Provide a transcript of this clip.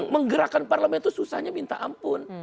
menggerakkan parlemen itu susahnya minta ampun